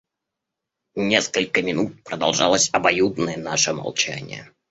Несколько минут продолжалось обоюдное наше молчание.